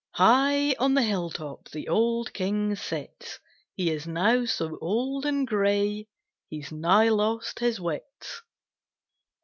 _"High on the hill top The old King sits; He is now so old and gray He's nigh lost his wits."